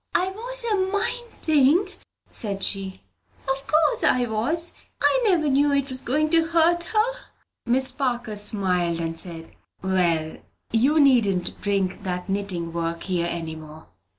"I was a mindin'," said she; "of course I was. I never knew 'twas a goin' to hurt her." Miss Parker smiled, and said, "Well, you needn't bring that knitting work here any more.